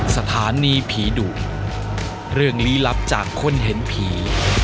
สถานีผีดุเรื่องลี้ลับจากคนเห็นผี